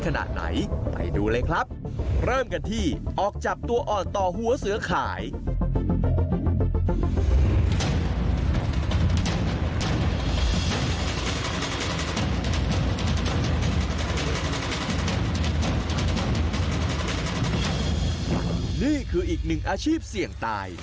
นี่คืออีกหนึ่งอาชีพเสี่ยงตาย